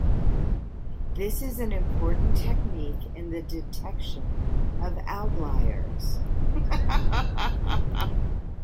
This is an important technique in the detection of outliers.